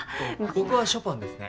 僕はショパンですね。